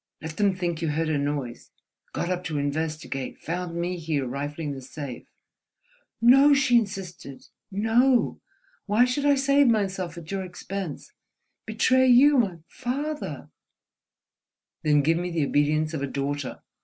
Let them think you heard a noise, got up to investigate, found me here, rifling the safe—" "No," she insisted—"no! Why should I save myself at your expense?—betray you—my father—!" "Then give me the obedience of a daughter ...